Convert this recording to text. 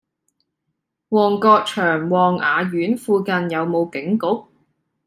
旺角長旺雅苑附近有無警局？